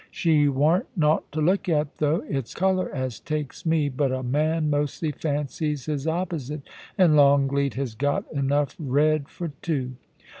She wam't nought to look at, though : it's colour as takes me : but a man mostly fancies his opposite, and Longleat has got enough red for two.